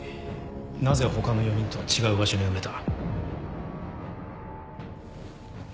なぜ他の４人とは違う場所に埋めた？